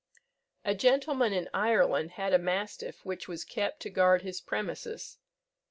A gentleman in Ireland had a mastiff which was kept to guard his premises.